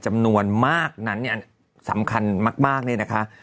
จำนวนมากนั้นเนี่ยสำคัญมากเลยนะคะ